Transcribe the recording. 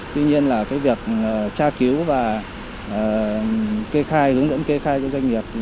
tuy nhiên việc tra cứu và hướng dẫn kê khai cho doanh nghiệp